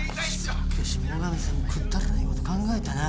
しかし最上さんもくっだらねえこと考えたな。